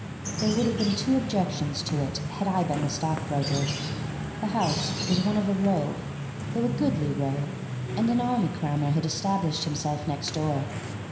There would have been two objections to it had I been the stockbroker. The house was one of a row, though a goodly row, and an army crammer had established himself next door.